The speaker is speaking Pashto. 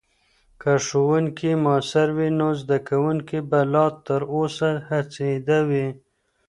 که ښوونکې مؤثرې وي، نو زدکونکي به لا تر اوسه هڅیده وي.